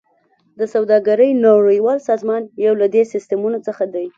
د سوداګرۍ نړیوال سازمان یو له دې سیستمونو څخه دی